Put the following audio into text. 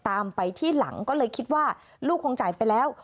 ตามไปที่หลังก็เลยคิดว่าลูกคงจ่ายไปแล้ว